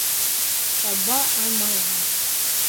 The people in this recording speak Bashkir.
Таба алмаған!